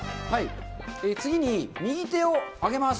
次に、右手を上げます。